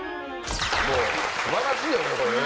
もう素晴らしいよね